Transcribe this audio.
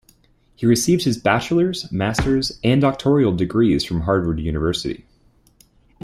He received his bachelor's, master's and doctoral degrees from Harvard University.